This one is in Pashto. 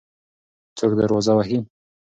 څوک دروازه وهي؟